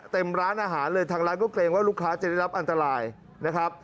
ร้านอาหารเลยทางร้านก็เกรงว่าลูกค้าจะได้รับอันตรายนะครับ